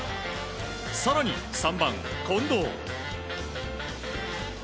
更に３番、近藤。